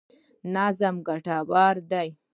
نظم ګټور دی.